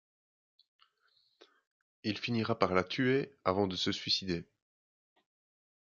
Il finira par la tuer avant de se suicider.